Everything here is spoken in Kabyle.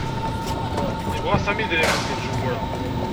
Yebɣa Sami idrimen d imezwura.